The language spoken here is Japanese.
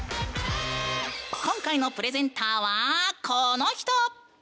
今回のプレゼンターはこの人！